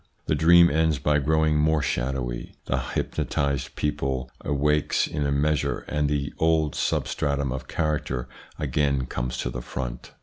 The dream ends by growing more shadowy, the hypnotised people awakes in a measure, and the old substratum of character again comes to the front.